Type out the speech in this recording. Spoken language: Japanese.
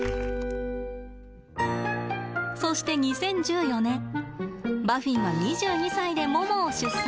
そして２０１４年バフィンは２２歳でモモを出産。